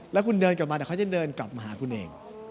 แล้วคุณเดินกลับมาแต่เขาจะเดินกลับมาหาคุณเอง